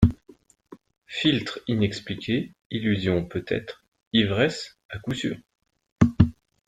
Philtre inexpliqué … illusion peut-être … ivresse, à coup sûr.